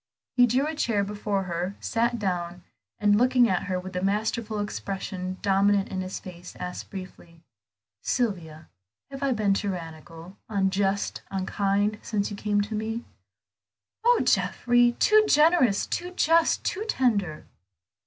He drew a chair before her, sat down, and looking at her with the masterful expression dominant in his face, asked briefly "Sylvia, have I been tyrannical, unjust, unkind, since you came to me?" "Oh, Geoffrey, too generous, too just, too tender!"